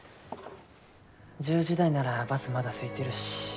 １０時台ならバスまだすいてるし。